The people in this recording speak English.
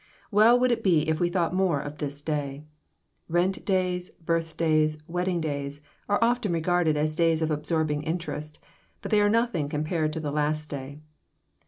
Well would it be if we thought more of this day ! Kent days, birth days, wedding days, are often regarded as days of absorbing interest ; but they are nothing com« pared to the last day.